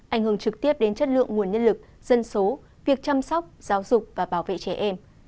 ảnh hưởng trực tiếp đến chất lượng nguồn nhân lực dân số việc chăm sóc giáo dục và bảo vệ trẻ em